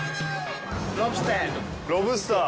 ロブスター。